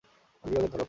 গিয়ে ওদের ধর!